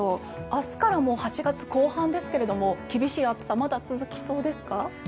明日からもう８月後半ですが厳しい暑さまだ続きそうですか？